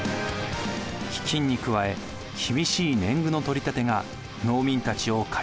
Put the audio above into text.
飢饉に加え厳しい年貢の取り立てが農民たちを駆り立てたのです。